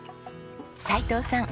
斉藤さん